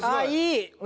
いい！